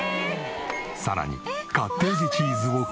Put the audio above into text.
さらにカッテージチーズを加えれば。